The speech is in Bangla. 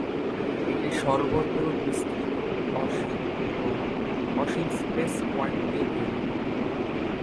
এটি সর্বত্র বিস্তৃত, অসীম এবং অসীম স্পেস-পয়েন্ট দিয়ে তৈরি।